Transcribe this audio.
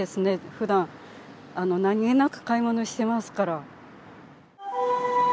ふだん、何気なく買い物してますから。